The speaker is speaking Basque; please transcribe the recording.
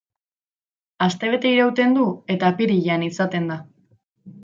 Astebete irauten du eta apirilean izaten da.